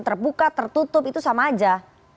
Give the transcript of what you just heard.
terbuka tertutup itu sama aja